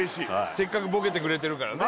せっかくボケてくれてるからね